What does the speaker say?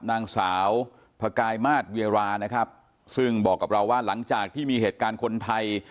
นางสาวพกายมาสเวียรานะครับซึ่งบอกกับเราว่าหลังจากที่มีเหตุการณ์คนไทย